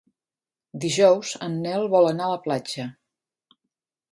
Dijous en Nel vol anar a la platja.